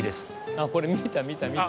あっこれ見た見た見た。